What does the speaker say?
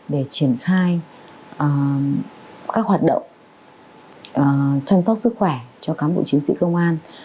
để triển khai các hoạt động chăm sóc sức khỏe cho cán bộ chiến sĩ công an